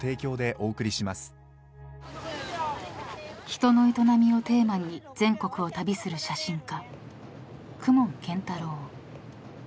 ［人の営みをテーマに全国を旅する写真家］